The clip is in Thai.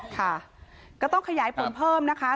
ค่ะก็ต้องขยายผลเพิ่มนะคะ